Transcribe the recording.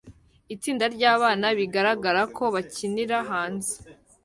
Itsinda ryabana bigaragara ko bakinira hanze